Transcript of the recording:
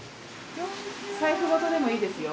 財布ごとでもいいですよ。